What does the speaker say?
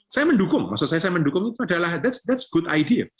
saya mendukung maksud saya saya mendukung itu adalah that's good idea